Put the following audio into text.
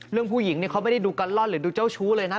เรื่องผู้หญิงเนี่ยเขาไม่ได้ดูกันล่อนหรือดูเจ้าชู้เลยนะ